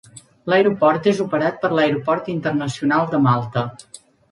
L'aeroport és operat per l'Aeroport Internacional de Malta.